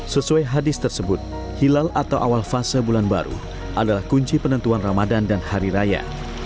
sesuai hadis tersebut hilal atau awal fase bulan baru adalah kunci penentuan ramadan dan hari raya